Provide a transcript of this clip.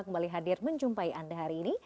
kembali hadir menjumpai anda hari ini